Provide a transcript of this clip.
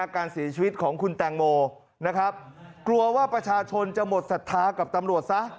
การเสียชีวิตของคุณแตงโมนะครับกลัวว่าประชาชนจะหมดศรัทธากับตำรวจซะ